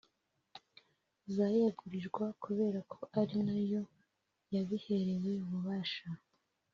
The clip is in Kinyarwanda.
zayegurirwa kubera ko ari nayo yabiherewe ububasha